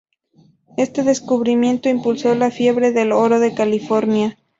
Este descubrimiento impulsó la fiebre del oro de California.